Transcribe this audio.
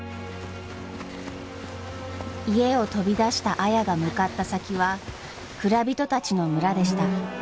家を飛び出した綾が向かった先は蔵人たちの村でした。